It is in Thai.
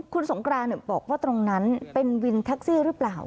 คุณสงกรานบอกว่าตรงนั้นเป็นวินแท็กซี่หรือเปล่า